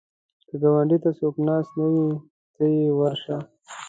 که ګاونډي ته څوک ناست نه وي، ته یې ورشه